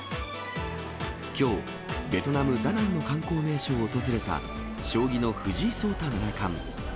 きょう、ベトナム・ダナンの観光名所を訪れた将棋の藤井聡太七冠。